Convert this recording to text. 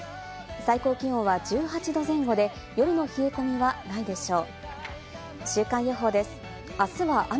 最高気温は１８度前後で夜の冷え込みはないでしょう。